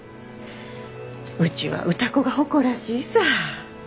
うちは歌子が誇らしいさぁ。